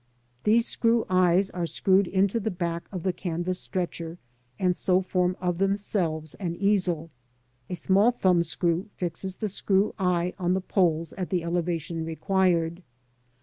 These screw eyes are screwed into the back of the canvas stretcher, and so form of them selves an easel. A small thumb screw fixes the screw eye on the poles at the elevation required.